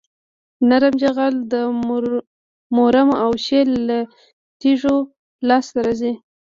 نرم جغل د مورم او شیل له تیږو لاسته راځي